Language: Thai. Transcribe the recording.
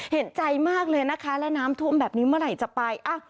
เห็นใจมากเลยนะคะและน้ำท่วมแบบนี้เมื่อไหร่จะไป